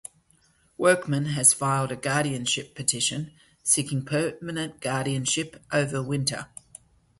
Workman has filed a guardianship petition, seeking permanent guardianship over Winter.